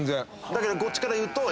だけどこっちからいうと。